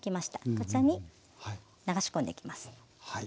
こちらに流し込んでいきます。